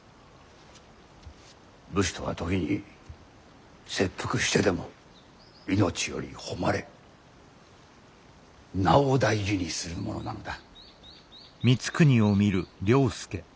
武士とは時に切腹してでも命より誉れ名を大事にするものなのだ。